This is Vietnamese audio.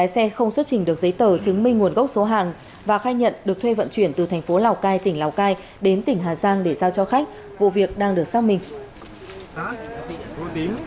xe không xuất trình được giấy tờ chứng minh nguồn gốc số hàng và khai nhận được thuê vận chuyển từ thành phố lào cai tỉnh lào cai đến tỉnh hà giang để giao cho khách vụ việc đang được xác minh